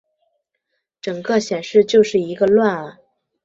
整个显示就是一个乱啊